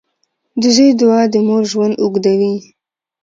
• د زوی دعا د مور ژوند اوږدوي.